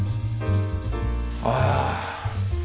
ああ！